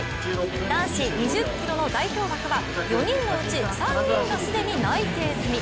男子２０ｋｍの代表枠は４人のうち３人が既に内定済み。